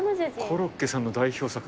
コロッケさんの代表作。